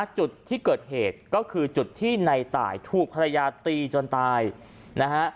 จุดที่เกิดเหตุก็คือจุดที่ในตายถูกภรรยาตีจนตายนะฮะ